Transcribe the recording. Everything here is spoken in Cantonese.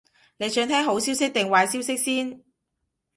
你想聽好消息定壞消息先？